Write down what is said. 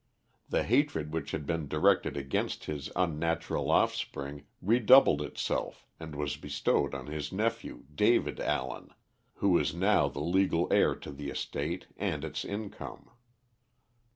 The hatred which had been directed against his unnatural offspring re doubled itself and was bestowed on his nephew David Allen, who was now the legal heir to the estate and its income.